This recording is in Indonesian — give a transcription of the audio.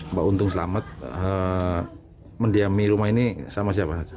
mbak untung selamat mendiami rumah ini sama siapa saja